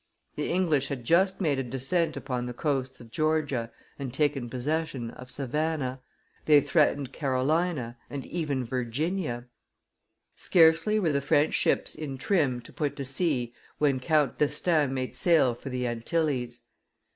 The English had just made a descent upon the coasts of Georgia, and taken possession of Savannah. They threatened Carolina, and even Virginia. Scarcely were the French ships in trim to put to sea when Count d'Estaing made sail for the Antilles.